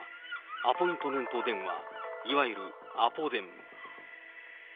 アポイントメント電話、いわゆるアポ電。